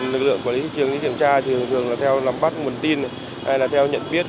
lực lượng quản lý thị trường đi kiểm tra thì thường là theo nắm bắt nguồn tin hay là theo nhận biết